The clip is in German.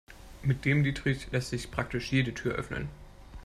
Mit dem Dietrich lässt sich praktisch jede Tür öffnen.